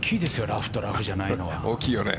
ラフとラフじゃないのは。